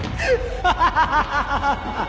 ハハハハハ！